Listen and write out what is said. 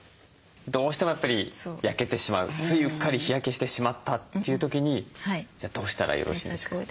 どうしてもやっぱり焼けてしまうついうっかり日焼けしてしまったという時にじゃあどうしたらよろしいでしょうか？